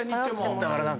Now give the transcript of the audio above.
だから何か。